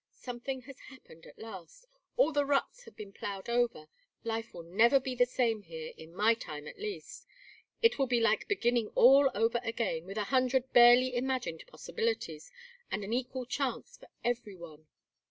Something has happened at last. All the ruts have been ploughed over. Life will never be the same here, in my time at least. It will be like beginning all over again, with a hundred barely imagined possibilities and an equal chance for every one.